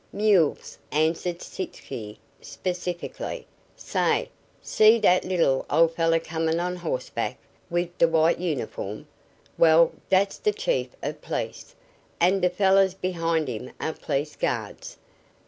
"Mules," answered Sitzky, specifically. "Say! See dat little old feller comin' on horseback wid d' white uniform? Well, dat's de chief of police, an' d' fellers behind him are police guards.